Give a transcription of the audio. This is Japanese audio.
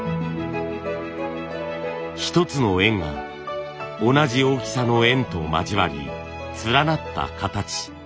一つの円が同じ大きさの円と交わり連なった形。